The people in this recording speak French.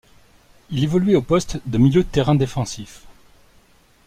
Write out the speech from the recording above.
Il évoluait au poste de milieu de terrain défensif.